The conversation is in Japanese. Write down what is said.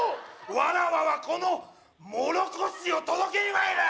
わらわはこのもろこしを届けに参るー！